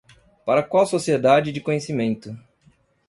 Para qual sociedade de conhecimento.